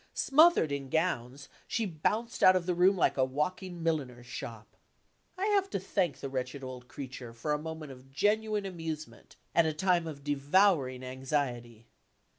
Smothered in gowns, she bounced out of the room like a walking milliner's shop. I have to thank the wretched old creature for a moment of genuine amusement, at a time of devouring anxiety.